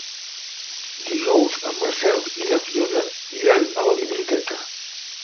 Dijous en Marcel i na Fiona iran a la biblioteca.